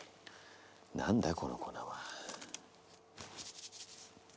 何だこの粉は？